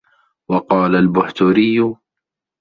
وَقَالَ الْبُحْتُرِيُّ